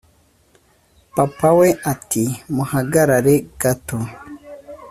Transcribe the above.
papa we ati:muhagarare gato,